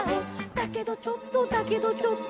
「だけどちょっとだけどちょっと」